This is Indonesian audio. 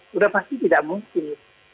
sudah pasti tidak mungkin